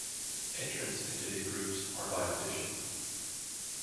Entrance into these groups are by audition.